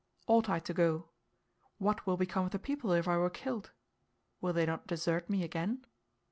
Ought I to go? What will become of the people if I were killed? Will they not desert me again?